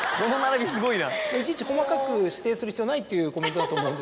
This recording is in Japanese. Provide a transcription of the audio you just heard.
いちいち細かく指定する必要ないというコメントだと思うんですが。